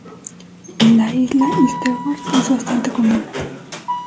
En la Isla Stewart es bastante común.